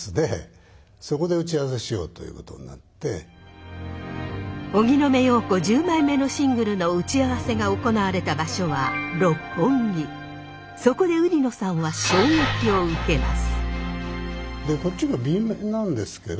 ゴージャスで荻野目洋子１０枚目のシングルの打ち合わせが行われた場所はそこで売野さんは衝撃を受けます。